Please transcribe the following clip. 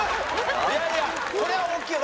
いやいやこれは大きいよ。